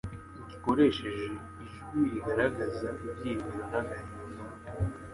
Gikoresheje ijwi rigaragaza ibyiringiro n'agahinda,